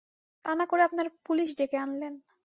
তা না-করে আপনারা পুলিশ ডেকে আনলেন।